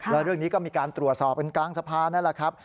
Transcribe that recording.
แล้วเรื่องนี้ก็มีการตรวจสอบกันกลางสะพานนั่นแหละครับ